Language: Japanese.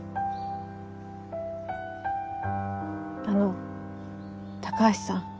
あの高橋さん。